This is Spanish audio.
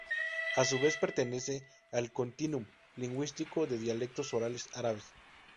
A su vez, pertenece al "continuum" lingüístico de dialectos orales árabes.